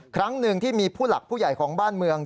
ครั้งหนึ่งที่มีผู้หลักผู้ใหญ่ของบ้านเมือง